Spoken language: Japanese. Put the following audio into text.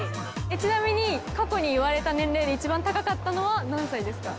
ちなみに過去に言われた年齢で一番高かったのは何歳ですか？